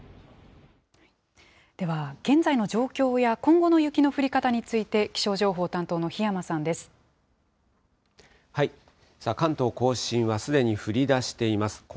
では現在の状況や、今後の雪の降り方について、気象情報担当関東甲信は、すでに降りだしています。